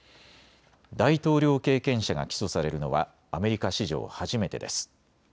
大統領経験者が起訴されるのはアメリカ史上初めてです。